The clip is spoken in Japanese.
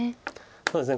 そうですね